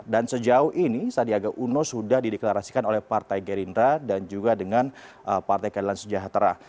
dan sejauh ini sandiaga uno sudah dideklarasikan oleh partai gerindra dan juga dengan partai keadilan sejahtera